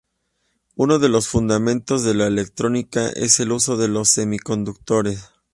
Uno de los fundamentos de la electrónica es el uso de los semiconductores.